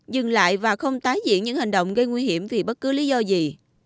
dừng lại và không tái diễn những hành động gây nguy hiểm vì bất cứ lý do gì